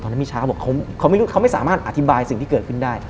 บอกว่าเขาไม่สามารถอธิบายสิ่งที่เกิดขึ้นได้